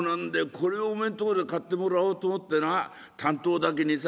これおめえんとこで買ってもらおうと思ってな短刀だけにさ